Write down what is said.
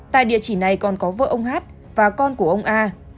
tại địa chỉ này còn có vợ ông hát và con của ông a